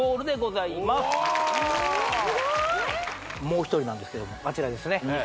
もう一人なんですけどもあちらですね